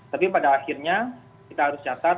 tapi pada akhirnya kita harus catat